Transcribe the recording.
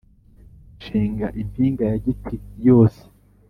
nshinga impinga ya giti yose